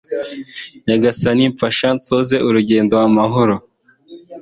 nyagasani mfasha nsoze urugendo amahoro